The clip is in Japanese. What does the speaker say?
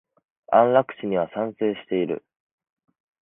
安楽死には賛成している。